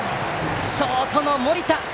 ショートの森田！